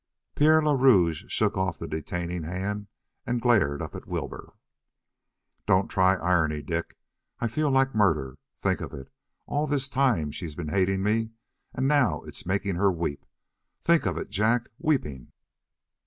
Pierre le Rouge shook off the detaining hand and glared up at Wilbur. "Don't try irony, Dick. I feel like murder. Think of it! All this time she's been hating me; and now it's making her weep; think of it Jack weeping!"